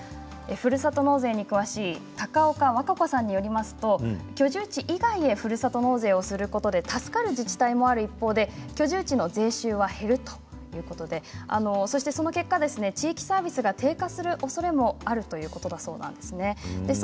ふるさと納税に詳しい高岡和佳子さんによりますと居住地以外へのふるさと納税をすることで助かる自治体もある一方で居住地の税収は減るということでその結果地域サービスが低下するおそれがあるということなんです。